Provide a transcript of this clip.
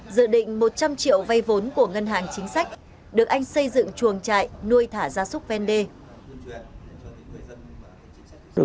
dự định một trăm linh triệu vay vốn của ngân hàng chính sách được anh xây dựng chuồng trại nuôi thả gia súc vende